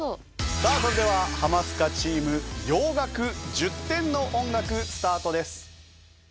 さあそれではハマスカチーム洋楽１０点の音楽スタートです。